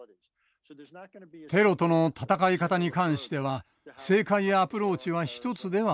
テロとの戦い方に関しては正解やアプローチは一つではありません。